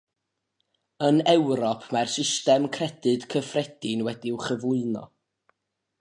Yn Ewrop, mae system credyd cyffredin wedi'i chyflwyno.